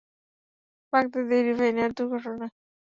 বাগদাদ্বি refinery দুর্ঘটনা।